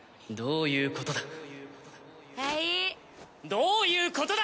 どういうことだ！